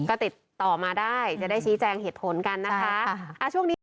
ก็ติดต่อมาได้จะได้ชี้แจงเหตุผลกันนะคะช่วงนี้